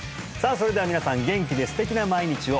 それでは皆さん元気で素敵な毎日を！